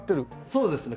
そうですね。